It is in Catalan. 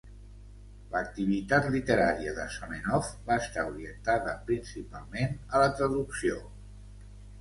L'activitat literària de Zamenhof va estar orientada principalment a la traducció.